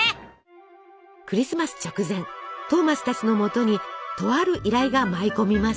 クリスマス直前トーマスたちのもとにとある依頼が舞い込みます。